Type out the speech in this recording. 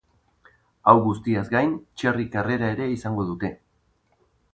Hau guztiaz gain, txerri karrera ere izango dute.